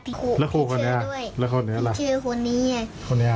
ครูแล้วครูคนนี้อ่ะแล้วคนนี้อะไรชื่อคนนี้คนนี้อ่ะ